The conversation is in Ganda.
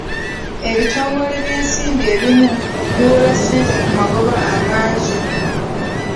Ebitongole by'ensimbi ebimu biwola ssente ku magoba amangi.